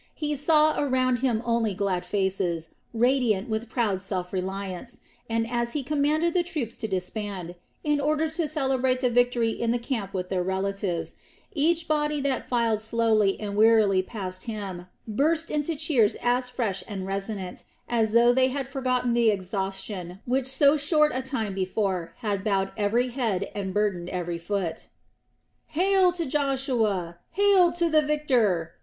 He saw around him only glad faces, radiant with proud self reliance, and as he commanded the troops to disband, in order to celebrate the victory in the camp with their relatives, each body that filed slowly and wearily past him burst into cheers as fresh and resonant as though they had forgotten the exhaustion which so short a time before had bowed every head and burdened every foot. "Hail to Joshua! Hail to the victor!"